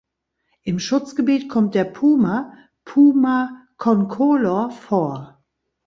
Im Schutzgebiet kommt der Puma ("Puma concolor") vor.